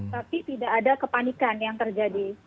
tapi tidak ada kepanikan yang terjadi